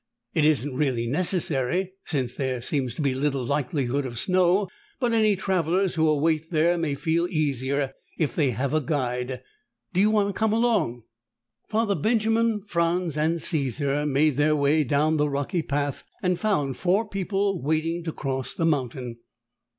It isn't really necessary, since there seems to be little likelihood of snow, but any travelers who await there may feel easier if they have a guide. Do you want to come along?" Father Benjamin, Franz and Caesar made their way down the rocky path and found four people waiting to cross the mountain.